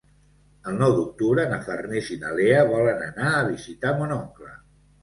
El nou d'octubre na Farners i na Lea volen anar a visitar mon oncle.